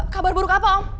kabar buruk apa om